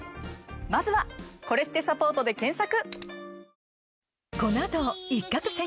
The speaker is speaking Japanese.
まずは「コレステサポート」で検索！